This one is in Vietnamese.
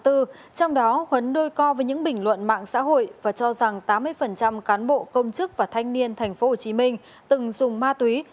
trong đó huấn đôi co với những bình luận mạng xã hội và cho rằng tám mươi cán bộ công chức và thanh niên tp hcm từng dùng ma túy